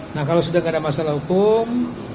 nah kalau sudah tidak ada masalah hukum